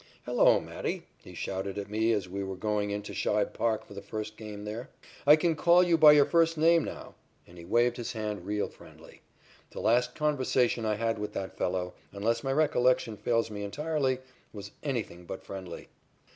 "Hello, Matty," he shouted at me as we were going into Shibe Park for the first game there. "I can call you by your first name now," and he waved his hand real friendly. The last conversation I had with that fellow, unless my recollection fails me entirely, was anything but friendly.